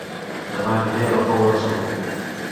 Dema aniré a La Pobla de Segur